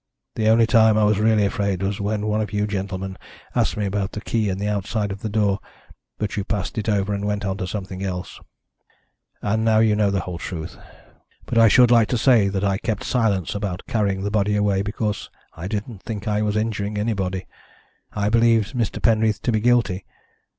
The only time I was really afraid was when one of you gentlemen asked me about the key in the outside of the door, but you passed it over and went on to something else. "And now you know the whole truth. But I should like to say that I kept silence about carrying the body away because I didn't think I was injuring anybody. I believed Mr. Penreath to be guilty.